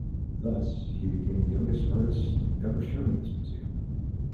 Thus, he became the youngest artist ever shown in this museum.